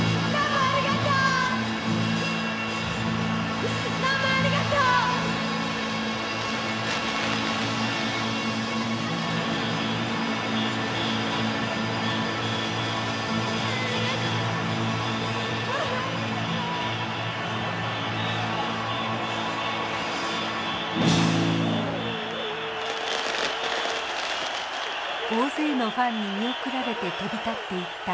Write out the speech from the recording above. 大勢のファンに見送られて飛び立っていったキャンディーズ。